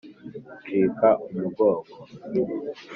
nshika umugongo.